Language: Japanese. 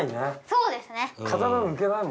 そうですね。